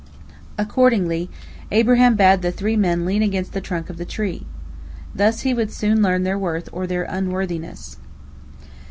Accordingly, Abraham bade the three men lean against the trunk of the tree. Thus he would soon learn their worth or their unworthiness.